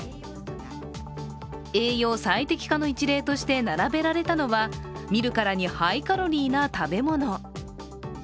栄養最適化の一例として並べられたのは見るからにハイカロリーな食べ物。